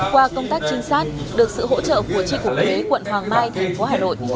qua công tác trinh sát được sự hỗ trợ của tri cục quế quận hoàng mai thành phố hải lội